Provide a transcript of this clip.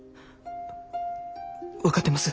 分かってます。